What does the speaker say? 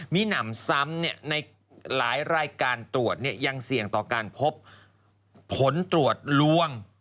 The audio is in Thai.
มีหนำซ้ำในหลายรายการตรวจยังเสี่ยงต่อการพบผลตรวจลวง